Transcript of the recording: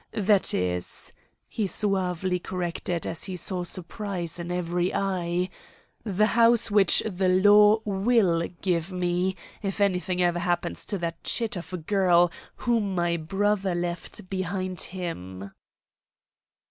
That is," he suavely corrected, as he saw surprise in every eye, "the house which the law will give me, if anything ever happens to that chit of a girl whom my brother left behind him."